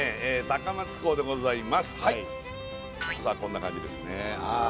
高松港でございますはいさあこんな感じですねああ